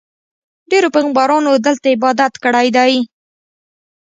ډېرو پیغمبرانو دلته عبادت کړی دی.